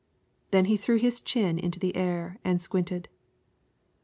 Then he threw his chin into the air and squinted.